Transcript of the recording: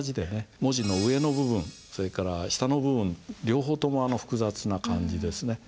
文字の上の部分それから下の部分両方とも複雑な感じですね。